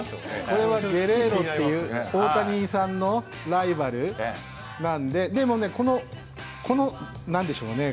これはゲレーロという大谷さんのライバルなんででもこのこの何でしょうね